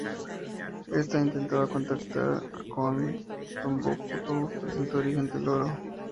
Ésta intentaba contactar con Tombuctú, presunto origen del oro.